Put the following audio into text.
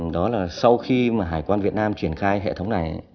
đó là sau khi mà hải quan việt nam triển khai hệ thống này